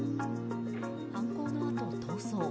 犯行のあと逃走。